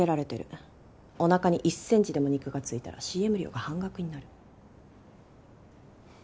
お腹に１センチでも肉がついたらＣＭ料が半額になるの。